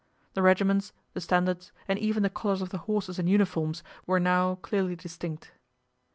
The regiments, the standards, and even the colors of the horses and uniforms were now clearly distinct.